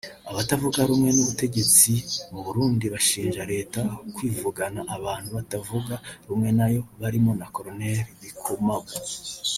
Abatavuga rumwe n’ubutegetsi mu Burundi bashinja leta kwivugana abantu batavuga rumwe nayo barimo na Col Bikomagu